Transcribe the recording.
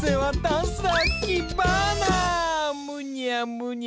むにゃむにゃ。